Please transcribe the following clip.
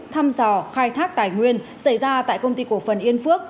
thăm dò khai thác tài nguyên xảy ra tại công ty cổ phần yên phước